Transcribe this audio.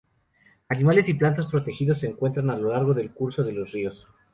Animales y plantas protegidos, se encuentran a lo largo del curso de los ríos.